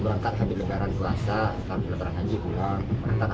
abis lebaran puasa lebaran haji pulang